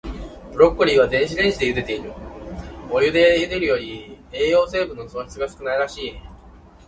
ブロッコリーは、電子レンジでゆでている。お湯でゆでるより、栄養成分の損失が少ないらしい。